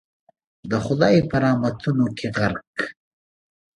د خدای په رحمتونو کي غرق